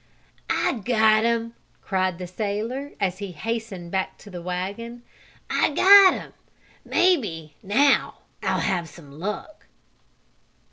"I got him!" cried the sailor, as he hastened back to the wagon. "I got him. Maybe, now, I'll have some luck!"